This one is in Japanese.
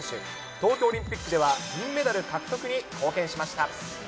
東京オリンピックでは銀メダル獲得に貢献しました。